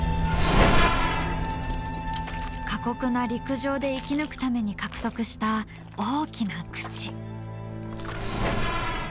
過酷な陸上で生き抜くために獲得した大きな口。